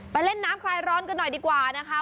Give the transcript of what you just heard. เล่นน้ำคลายร้อนกันหน่อยดีกว่านะคะ